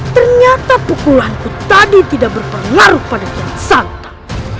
ternyata pukulanku tadi tidak berperlarut pada kia santam